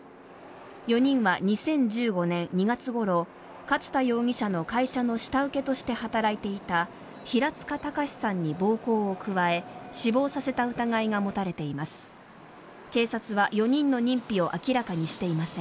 ４人は２０１５年２月ごろ勝田容疑者の会社の下請けとして働いていた平塚崇さんに暴行を加え死亡させた疑いが持たれています。